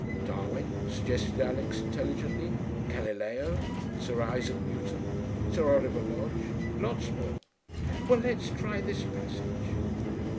'Darwin,' suggested Alix intelligently. 'Galileo. Sir Isaac Newton. Sir Oliver Lodge. Lots more.' 'Well, let's try this passage.'